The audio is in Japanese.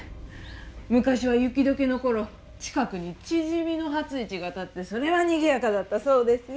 昔は雪解けの頃近くに縮の初市が立ってそれはにぎやかだったそうですよ。